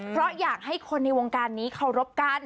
เพราะอยากให้คนในวงการนี้เคารพกัน